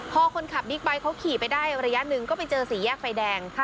พอคนขับบิ๊กไบท์เขาขี่ไปได้ระยะหนึ่งก็ไปเจอสี่แยกไฟแดง